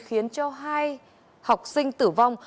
khiến cho hai học sinh tử vong